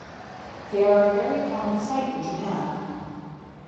They are a very common sight in Japan.